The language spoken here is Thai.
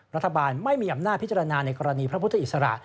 รัฐบาลไม่มีอำนาจพิจารณาในกรณีพระพุทธอิสระ